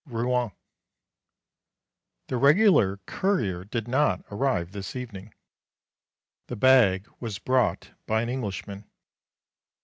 Rouen. The regular courier did not arrive this evening. The bag was brought by an Englishman.